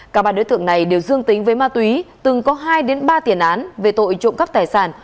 cả ba đối tượng này đều dương tính với ma túy từng có hai ba tiền án về tội trộm cắp tài sản